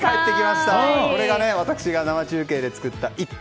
これが私が生中継で作った「イット！」